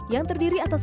yang terdiri atas